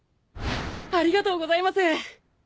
ありがとうございます！